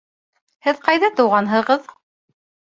Һеҙ ҡайҙа тыуғанһығыҙ?